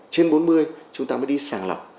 trên bốn mươi chúng ta mới đi sàng lọc